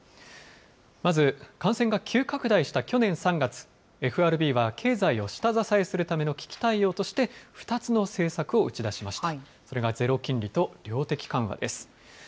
まず、感染が急拡大した去年３月、ＦＲＢは経済を下支えするための危機対応として、２つの政策を打ち出しました。